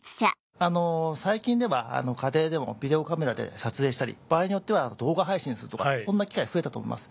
最近では家庭でもビデオカメラで撮影したり場合によっては動画配信するとかそんな機会が増えたと思います。